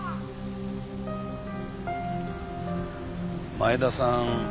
前田さん